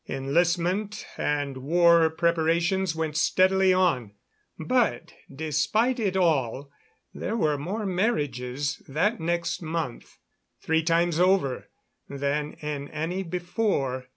Enlistment and war preparations went steadily on, but despite it all there were more marriages that next month three times over than in any before.